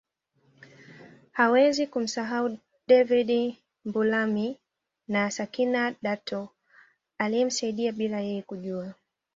Hawezi kumsahau David Mbulumi na Sakina Datoo aliyemsaidia bila yeye kujua